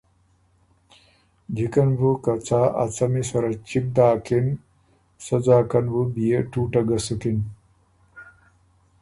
جِکن بُوکه څا ا څمی سَرَه چِګ داکن، سۀ ځاکن بُو بيې ټُوټه ګۀ سُکِن۔